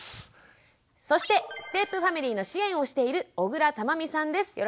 そしてステップファミリーの支援をしている緒倉珠巳さんです。